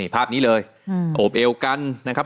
ภาพนี้เลยโอบเอวกันนะครับ